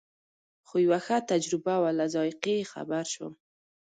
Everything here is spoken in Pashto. خو یوه ښه تجربه وه له ذایقې یې خبر شوم.